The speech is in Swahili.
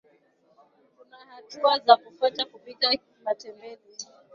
kuna hatua za kufata kupika matembele